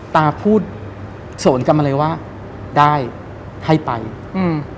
ตาพูดสวนกลับมาเลยว่าได้ให้ไปอืม